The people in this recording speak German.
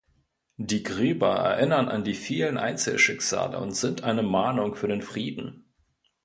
Die Gräber erinnern an die vielen Einzelschicksale und sind eine Mahnung für den Frieden.